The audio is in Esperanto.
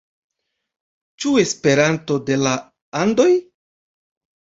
Ĉu Esperanto de la Andoj?